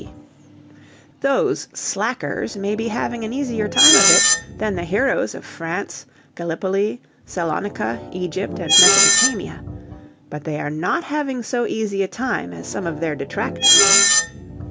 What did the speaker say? C. Those "slackers" may be having an easier time of it than the heroes of France, Gallipoli, Salonika, Egypt and Mesopotamia. But they are not having so easy a time as some of their detractors.